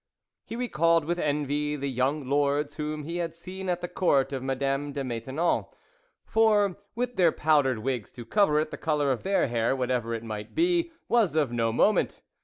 He recalled with envy the young lords whom he had seen at the court of Madame de Maintenon, for, with their powdered wigs to cover it, the colour of their hair, whatever it might be, was of no moment.